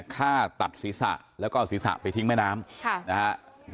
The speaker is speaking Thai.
ฆ่าตัดศิรษะแล้วก็ศิรษะไปทิ้ง๙๕นะครับ